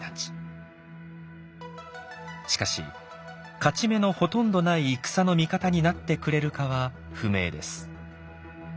しかし勝ち目のほとんどない戦の味方になってくれるかは不明です。